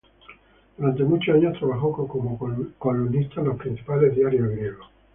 Durante muchos años trabajó como columnista en los principales diarios griegos.